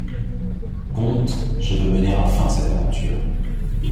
Comte, je veux mener à fin cette aventure.